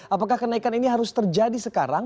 apakah kenaikan ini harus terjadi sekarang